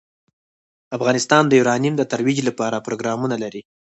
افغانستان د یورانیم د ترویج لپاره پروګرامونه لري.